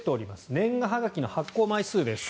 年賀はがきの発行枚数です。